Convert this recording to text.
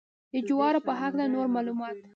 د جوارو په هکله نور معلومات.